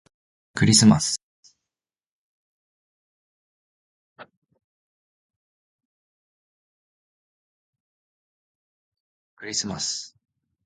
クリスマス